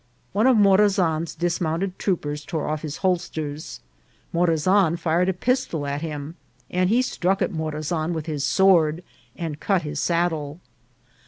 One of Morazan's dismounted troopers tore off his holsters ; Morazan fired a pistol at him, and he struck at Morazan with his sword, and cut his saddle.